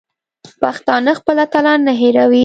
پښتانه خپل اتلان نه هېروي.